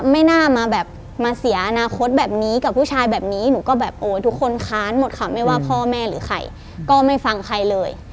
ไม่น่ามาแบบมาเสียอนาคตแบบนี้กับผู้ชายแบบนี้หนูก็แบบโอ้ยทุกคนค้านหมดค่ะไม่ว่าพ่อแม่หรือใครก็ไม่ฟังใครเลย